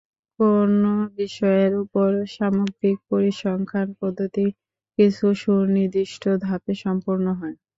কোন বিষয়ের উপর সামগ্রিক পরিসংখ্যান পদ্ধতি কিছু সুনির্দিষ্ট ধাপে সম্পন্ন হয়।